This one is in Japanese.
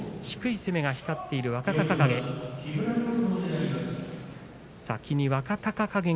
低い攻めが光っている、若隆景。